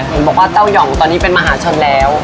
เห็นบอกว่าเต้ายองตอนนี้เป็นมหาชนแล้ว